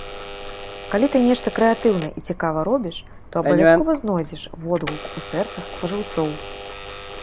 Калі ты нешта крэатыўна і цікава робіш, то абавязкова знойдзеш водгук у сэрцах спажыўцоў.